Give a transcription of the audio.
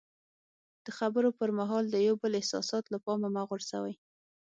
د خبرو پر مهال د یو بل احساسات له پامه مه غورځوئ.